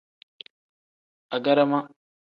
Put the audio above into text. Agarama.